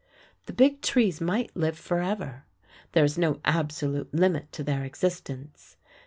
The Big Trees might live forever. There is no absolute limit to their existence.